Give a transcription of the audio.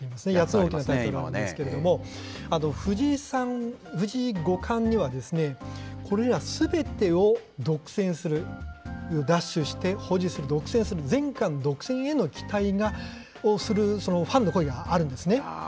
８つのタイトルなんですけれども、藤井五冠には、これらすべてを独占する、奪取して、保持する、独占する、全冠独占への期待をするファンの声があるんですね。